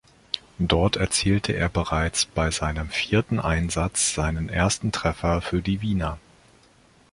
Dort erzielte er bereits bei seinem vierten Einsatz seinen ersten Treffer für die Wiener.